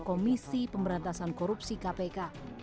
komisi pemberantasan korupsi kpk